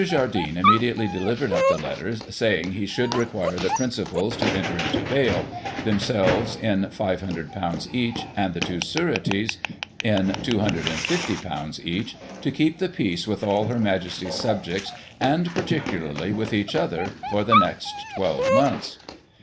Jardine immediately delivered up the letters, saying he should require the principals to enter into bail, themselves in ;£"soo each, and two sureties in ;£'2SO each, to keep the peace with all Her Majesty's subjects, and particularly with each other, for the next 12 months.